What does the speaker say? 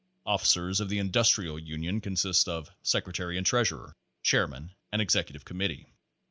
Officers of the Industrial Union consist of secretary and treasurer, chairman, and executive committee.